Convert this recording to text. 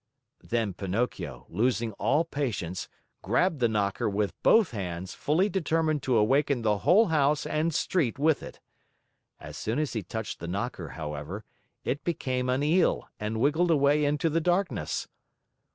Then Pinocchio, losing all patience, grabbed the knocker with both hands, fully determined to awaken the whole house and street with it. As soon as he touched the knocker, however, it became an eel and wiggled away into the darkness.